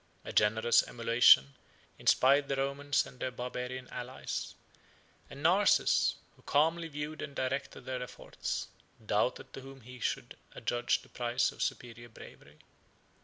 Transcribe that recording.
A generous emulation inspired the Romans and their Barbarian allies; and Narses, who calmly viewed and directed their efforts, doubted to whom he should adjudge the prize of superior bravery.